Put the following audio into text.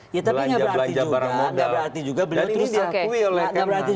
belanja barang modal